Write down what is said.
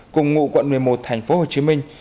cùng ngụ quận một mươi một tp hcm